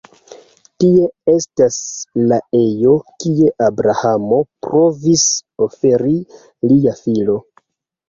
Tie estas la ejo kie Abrahamo provis oferi lia filo.